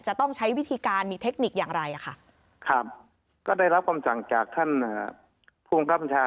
จะต้องใช้วิธีการมีเทคนิคอย่างไรอ่ะค่ะครับก็ได้รับคำสั่งจากท่านภูมิครับบัญชา